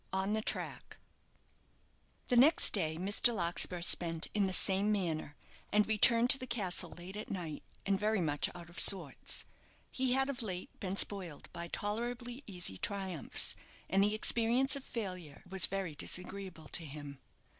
ON THE TRACK. The next day Mr. Larkspur spent in the same manner, and returned to the castle late at night, and very much out of sorts. He had of late been spoiled by tolerably easy triumphs, and the experience of failure was very disagreeable to him.